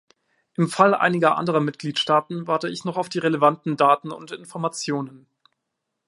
Im Fall einiger anderer Mitgliedstaaten warte ich noch auf die relevanten Daten und Informationen.